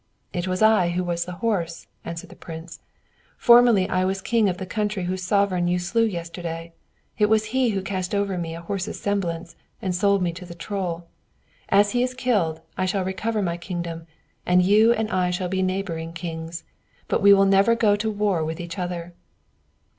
"It was I who was the horse," answered the prince. "Formerly I was king of the country whose sovereign you slew yesterday; it was he who cast over me a horse's semblance, and sold me to the Troll. As he is killed, I shall recover my kingdom, and you and I shall be neighboring kings; but we will never go to war with each other."